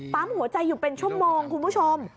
หัวใจอยู่เป็นชั่วโมงคุณผู้ชม